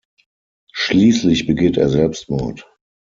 Schließlich begeht er Selbstmord.